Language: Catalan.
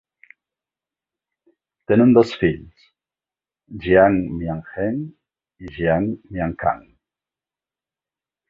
Tenen dos fills, Jiang Mianheng i Jiang Miankang.